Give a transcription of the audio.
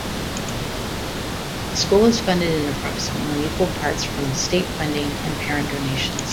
The school is funded in approximately equal parts from state funding and parent donations.